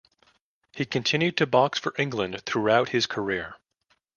He continued to box for England throughout his career.